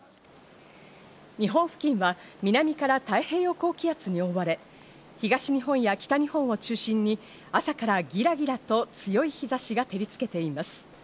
日本付近は南から太平洋高気圧に覆われ、東日本や北日本を中心に、朝からギラギラと強い日差しが照りつけています。